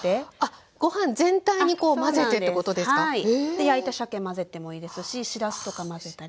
で焼いたしゃけ混ぜてもいいですししらすとか混ぜたり。